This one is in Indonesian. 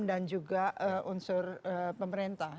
dan juga unsur pemerintah